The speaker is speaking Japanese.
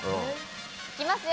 行きますよ！